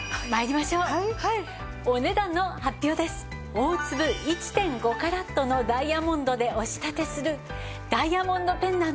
大粒１．５カラットのダイヤモンドでお仕立てするダイヤモンドペンダント。